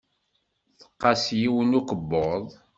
Tqas yiwen n ukebbuḍ.